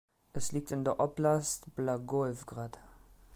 Es liegt in der Oblast Blagoewgrad.